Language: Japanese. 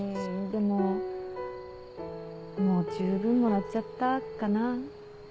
でももうじゅうぶんもらっちゃったかな。